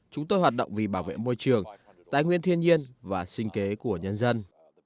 chúng tôi hoạt động vì bảo vệ môi trường tài nguyên thiên nhiên và sinh kế của nhân dân